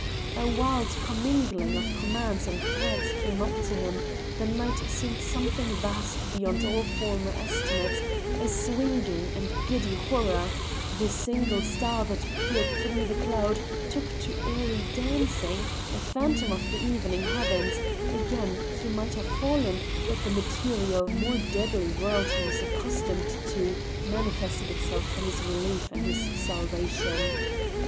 A wild commingling of commands and threats came up to him; the night seemed something vast beyond all former estimates, a swinging and giddy horror; the single star that peered through the cloud took to airy dancing, a phantom of the evening heavens; again he might have fallen, but the material, more deadly, world he was accustomed to manifested itself for his relief and his salvation.